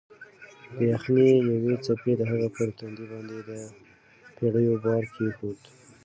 د یخنۍ یوې څپې د هغې پر تندي باندې د پېړیو بار کېښود.